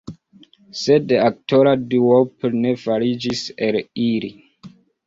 Sed aktora duopo ne fariĝis el ili.